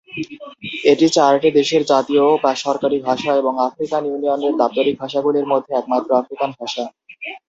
এটি চারটি দেশের জাতীয় বা সরকারী ভাষা এবং আফ্রিকান ইউনিয়নের দাপ্তরিক ভাষাগুলির মধ্যে একমাত্র আফ্রিকান ভাষা।